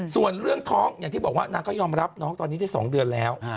ส่วนเรื่องท้องอย่างที่บอกว่านางก็ยอมรับน้องตอนนี้ได้๒เดือนแล้ว